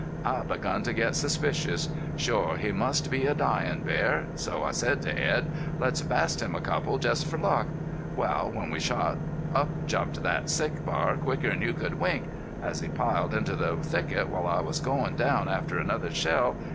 I begun to get suspicious. Shore he must be a dyin' bear. So I said to Edd: 'Let's bast him a couple just fer luck.' Wal, when we shot up jumped thet sick bar quicker'n you could wink. An' he piled into the thicket while I was goin' down after another shell....